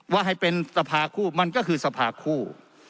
ว่าให้เป็นสภาคู่มันก็คือสภาคู่